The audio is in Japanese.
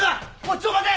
ちょっと待て！